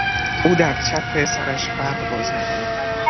او در طرف چپ سرش فرق باز میکند.